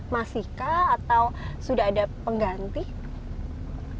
masihkah atau sudah ada pengganti